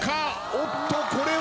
おっとこれは。